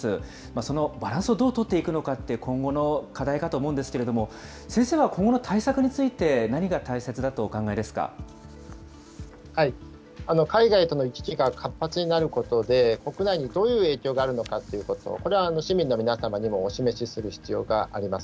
そのバランスをどう取っていくのかって、今後の課題かと思うんですけれども、先生は今後の対策について、何が大切だとお考えです海外との行き来が活発になることで、国内にどういう影響があるのかということ、これは市民の皆様にもお示しする必要があります。